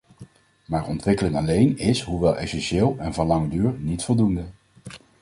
Maar ontwikkeling alleen is, hoewel essentieel en van lange duur, niet voldoende.